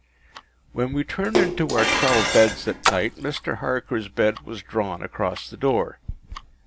When we turned into our twelve beds at night, Mr. Harker’s bed was drawn across the door.